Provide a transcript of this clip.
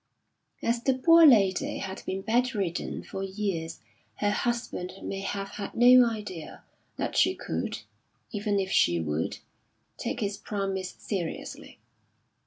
As the poor lady had been bedridden for years her husband may have had no idea that she could, even if she would, take his promise seriously.